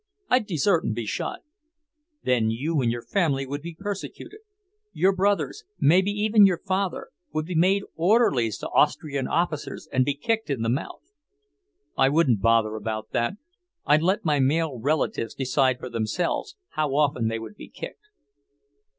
I'd desert and be shot." "Then your family would be persecuted. Your brothers, maybe even your father, would be made orderlies to Austrian officers and be kicked in the mouth." "I wouldn't bother about that. I'd let my male relatives decide for themselves how often they would be kicked."